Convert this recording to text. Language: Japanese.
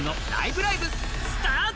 ライブ！」、スタート！